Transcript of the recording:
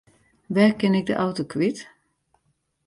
Wêr kin ik de auto kwyt?